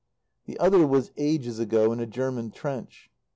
The other was ages ago in a German trench.